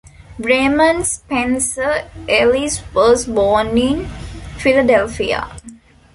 Raymond Spencer Ellis was born in Philadelphia.